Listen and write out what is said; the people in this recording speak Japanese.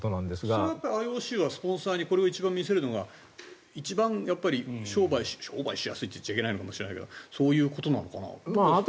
それはＩＯＣはスポンサーにこれを一番見せるのが一番商売しやすいって言っちゃいけないかもしれないけどそういうことなのかなと。